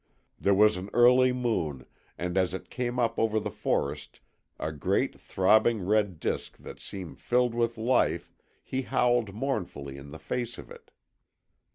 There was an early moon, and as it came up over the forest, a great throbbing red disc that seemed filled with life, he howled mournfully in the face of it.